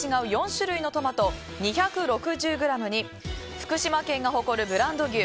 ４種類のトマト２６０ｇに福島県が誇るブランド牛